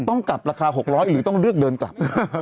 ต้องกลับราคา๖๐๐หรือต้องเลือกเดินกลับ